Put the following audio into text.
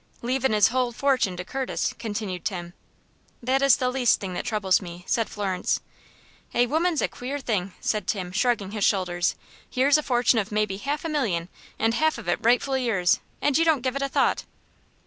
"Leavin' his whole fortune to Curtis," continued Tim. "That is the least thing that troubles me," said Florence. "A woman's a queer thing," said Tim, shrugging his shoulders. "Here's a fortune of maybe half a million, and half of it rightfully yours, and you don't give it a thought."